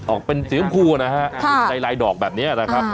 ออกเป็นเสียงคูรนะฮะค่ะได้ลายแบบนี้แหละครับ